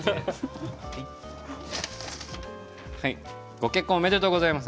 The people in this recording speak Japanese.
ご結婚おめでとうございます。